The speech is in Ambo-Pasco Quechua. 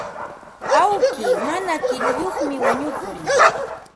Awki mana kiruyuqmi wañukun.